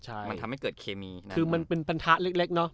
ใช่มันทำให้เกิดเคมีคือมันเป็นปัญหาเล็กเล็กเนอะ